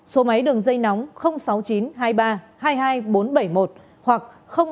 số máy đường dây nóng sáu nghìn chín trăm hai mươi ba hai mươi hai nghìn bốn trăm bảy mươi một hoặc